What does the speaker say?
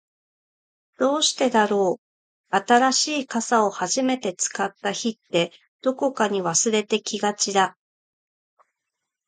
どうしてだろう、新しい傘を初めて使った日って、どこかに忘れてきがちだ。